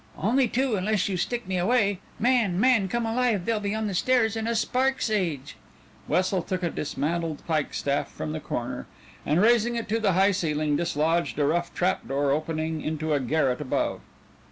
"Only two unless you stick me away. Man, man, come alive, they'll be on the stairs in a spark's age." Wessel took a dismantled pike staff from the corner, and raising it to the high ceiling, dislodged a rough trap door opening into a garret above.